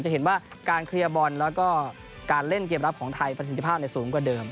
จะเห็นว่าการเคลียร์บอลแล้วก็การเล่นเกมรับของไทยประสิทธิภาพสูงกว่าเดิม